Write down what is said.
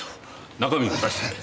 中身を出してくれ。